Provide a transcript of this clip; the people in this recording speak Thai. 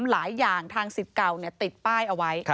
หลายอย่างทางสิทธิ์เก่าติดป้ายเอาไว้